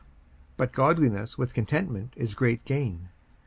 54:006:006 But godliness with contentment is great gain.